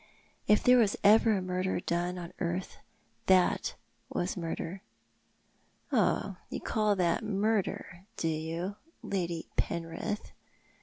If there was ever murder done on earth that was murder." "Oh, you call that murder, do you, Lady Penrith?"